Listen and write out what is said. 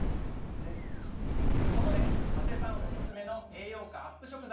そこで加瀬さんおすすめの栄養価アップ食材。